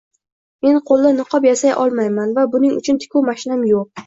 Men qo'lda niqob yasay olmayman va buning uchun tikuv mashinam yo'q